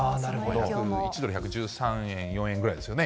１ドル１１３円、４円ぐらいですね。